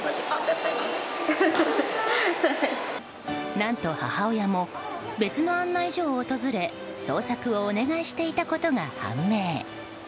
何と母親も別の案内所を訪れ捜索をお願いしていたことが判明。